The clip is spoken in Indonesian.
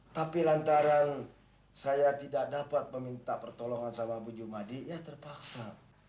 tapi lantaran saya tidak dapat meminta pertolongan sama bu jumadi ya terpaksa